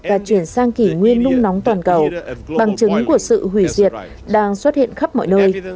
và chuyển sang kỷ nguyên nung nóng toàn cầu bằng chứng của sự hủy diệt đang xuất hiện khắp mọi nơi